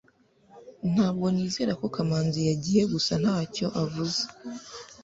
ntabwo nemera ko kamanzi yagiye gusa ntacyo avuga